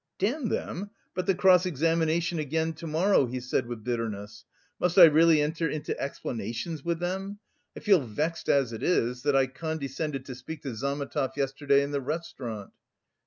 "Damn them? But the cross examination again, to morrow?" he said with bitterness. "Must I really enter into explanations with them? I feel vexed as it is, that I condescended to speak to Zametov yesterday in the restaurant...."